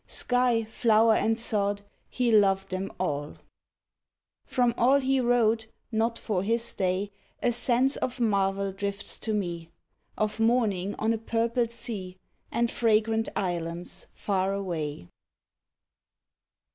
Sky, flower and sod, he loved them all. 130 PERSONAL POEMS From all he wrote (not for his day), A sense of marvel drifts to me — Of morning on a purple sea, And fragrant islands far away.